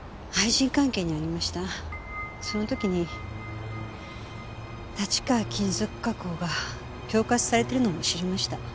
その時に立川金属加工が恐喝されてるのも知りました。